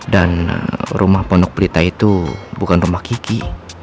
dan rumah pondok berita itu bukan rumah kiki